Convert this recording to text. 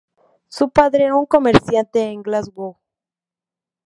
Su padre era un comerciante en Glasgow.